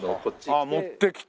ああ持ってきて。